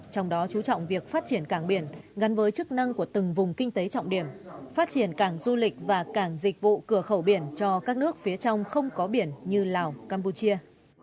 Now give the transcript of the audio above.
trong đó chú trọng việc phát triển cảng biển gắn với chức năng của từng vùng kinh tế trọng điểm phát triển cảng du lịch và cảng dịch vụ cửa khẩu biển cho các nước phía trong không có biển như lào campuchia